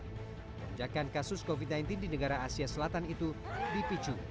lonjakan kasus covid sembilan belas di negara asia selatan itu dipicu